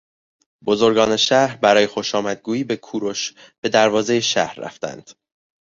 بزرگان شهر برای خوشآمد گویی به کوروش به دروازهی شهر رفتند.